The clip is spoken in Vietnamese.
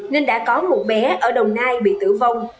nên đã có một bé ở đồng nai bị tử vong